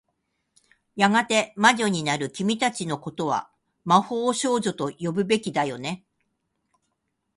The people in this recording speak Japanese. やがて魔女になる君たちの事は、魔法少女と呼ぶべきだよね。